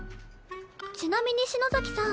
ちなみに篠崎さん